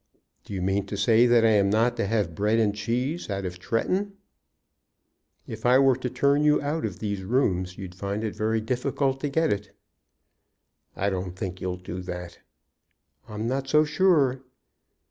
Do you mean to say that I am not to have bread and cheese out of Tretton?" "If I were to turn you out of these rooms you'd find it very difficult to get it." "I don't think you'll do that." "I'm not so sure."